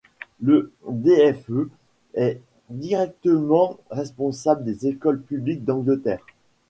Le DfE est directement responsable des écoles publiques d'Angleterre.